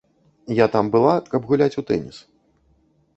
Я там была, каб гуляць у тэніс.